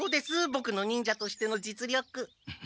ボクの忍者としての実力。